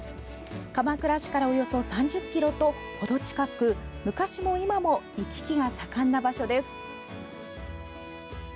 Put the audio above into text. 鎌倉市からおよそ３０ｋｍとほど近く昔も今も行き来が盛んな場所です。